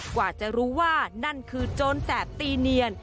กว่าจะรู้ว่านั่นคือโจรแสบตีเนียน